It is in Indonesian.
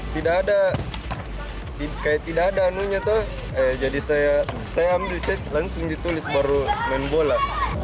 tidak ada di kayak tidak ada nanya tuh jadi saya saya ambil cek langsung ditulis baru main bola